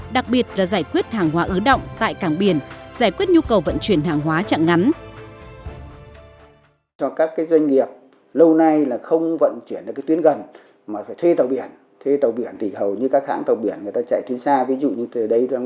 đặc biệt là giải quyết hàng hóa ứ động tại cảng biển giải quyết nhu cầu vận chuyển hàng hóa chặng ngắn